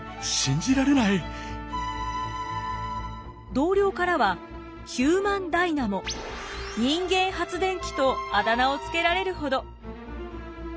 同僚からはヒューマンダイナモ人間発電機とあだ名を付けられるほど。